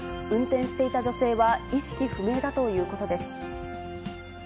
運転していた女性は意識不明だということです。